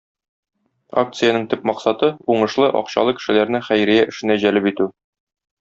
Акциянең төп максаты - уңышлы, акчалы кешеләрне хәйрия эшенә җәлеп итү.